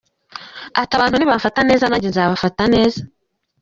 Iti “Abantu nibamfata neza nanjye nzabafata neza.